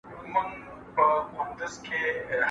د سوال په اوبو ژرنده نه گرځي.